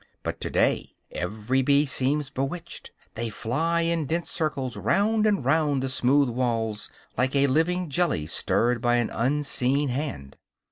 But to day every bee seems bewitched; they fly in dense circles round and round the smooth walls, like a living jelly stirred by an unseen hand.